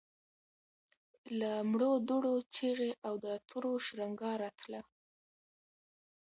له مړو دوړو چيغې او د تورو شرنګا راتله.